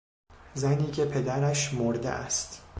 زنی که پدرش مرده است